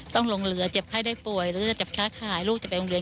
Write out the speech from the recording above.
ต้องลองเรือเจ็บไข้ได้ป่วยแล้วจะจับแคล้คลายลูกจะไปลงเรือ